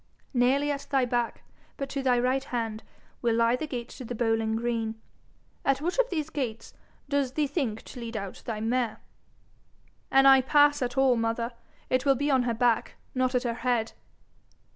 Nearly at thy back, but to thy right hand, will lie the gate to the bowling green. At which of these gates does thee think to lead out thy mare?' 'An' I pass at all, mother, it will be on her back, not at her head.'